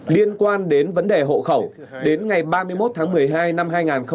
liên quan đến vấn đề hộ khẩu đến ngày ba mươi một tháng một mươi hai năm hai nghìn một mươi chín